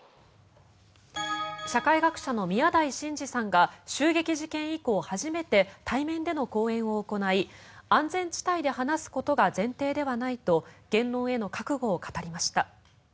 社会学者の宮台真司さんが襲撃事件以降初めて対面での講演を行い安全地帯で話すことが前提ではないと言論への覚悟を語りました。